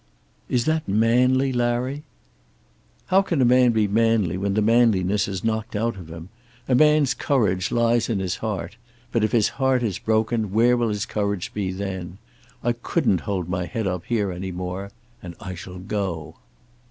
"Is that manly, Larry?" "How can a man be manly when the manliness is knocked out of him? A man's courage lies in his heart; but if his heart is broken where will his courage be then? I couldn't hold my head up here any more, and I shall go."